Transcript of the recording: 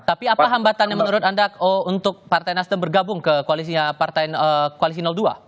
tapi apa hambatan yang menurut anda untuk partai nasdem bergabung ke koalisi dua